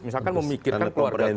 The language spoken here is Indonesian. misalkan memikirkan keluarga korban